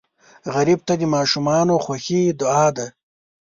غریب ته د ماشومانو خوښي دعا ده